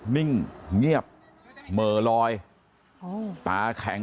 นิ่งเงียบเหม่อลอยตาแข็ง